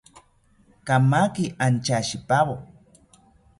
Kamaki anchashipawo